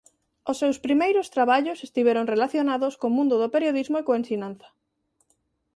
O seus primeiros traballos estiveron relacionados co mundo do periodismo e coa ensinanza.